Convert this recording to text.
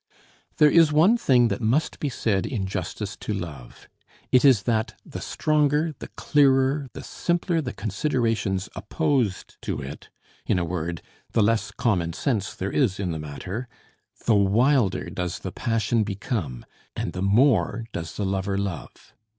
There is one thing that must be said in justice to love; it is that the stronger, the clearer, the simpler the considerations opposed to it, in a word, the less common sense there is in the matter, the wilder does the passion become and the more does the lover love.